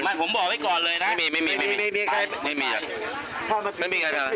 ไม่ผมบอกไว้ก่อนเลยนะไม่มีไม่มีใครไม่มีใคร